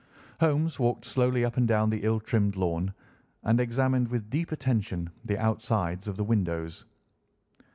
Holmes walked slowly up and down the ill trimmed lawn and examined with deep attention the outsides of the windows.